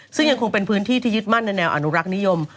ซึ่งยังคงเป็นพื้นที่ที่ยึดมั่นในแนวอนุรักษ์นิยม